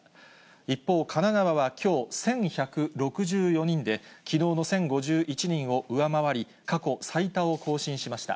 一方、神奈川はきょう、１１６４人で、きのうの１０５１人を上回り、過去最多を更新しました。